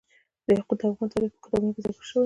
یاقوت د افغان تاریخ په کتابونو کې ذکر شوی دي.